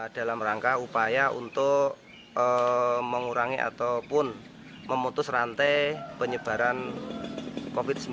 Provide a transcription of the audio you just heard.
dalam rangka upaya untuk mengurangi ataupun memutus rantai penyebaran covid sembilan belas